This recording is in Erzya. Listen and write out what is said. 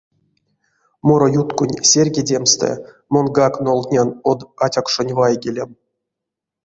Мороютконть серьгедемстэ монгак нолдтнян од атякшонь вайгелем.